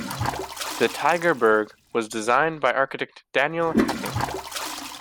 The Tygerberg was designed by architect Daniel Hattingh.